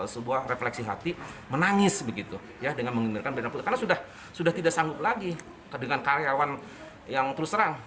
sebuah refleksi hati menangis begitu ya dengan mengimirkan benda putih karena sudah tidak sanggup lagi dengan karyawan yang terus terang